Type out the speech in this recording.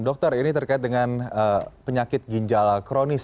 dokter ini terkait dengan penyakit ginjal kronis